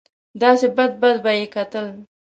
داسې بد بد به یې کتل.